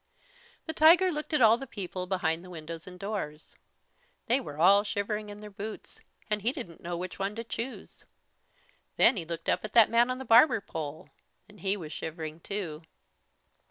The tiger looked at all the people behind the windows and doors. They were all shivering in their boots, and he didn't know which one to choose. Then he looked up at the man on the barber pole, and he was shivering too.